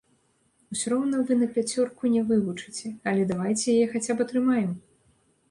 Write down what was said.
Усё роўна вы на пяцёрку не вывучыце, але давайце яе хаця б атрымаем!